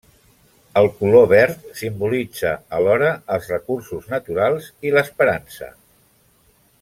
El color verd simbolitza alhora els recursos naturals i l'esperança.